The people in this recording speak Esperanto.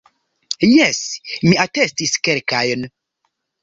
Jes, mi atestis kelkajn.